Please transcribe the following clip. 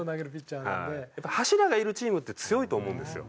やっぱ柱がいるチームって強いと思うんですよ。